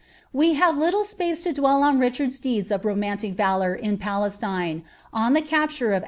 Wb have little space to dwell on Richard's deeds of T' ii ,' i ' in Palestine, on the capture of